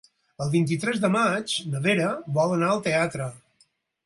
El vint-i-tres de maig na Vera vol anar al teatre.